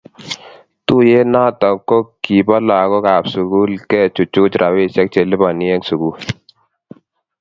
Tuyet noto ko kibo lakok ab sukul ke chuchuch rabisiek che libani eng sukul